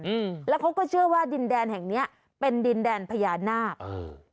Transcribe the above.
อืมแล้วเขาก็เชื่อว่าดินแดนแห่งเนี้ยเป็นดินแดนพญานาคเออ